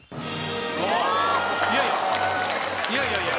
いやいやいや。